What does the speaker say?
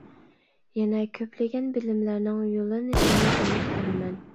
يەنە كۆپلىگەن بىلىملەرنىڭ يوللىنىشىنى ئۈمىد قىلىمەن.